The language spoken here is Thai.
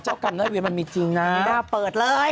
เจ้ากรรมน้อยเวรมันมีจริงนะไม่น่าเปิดเลย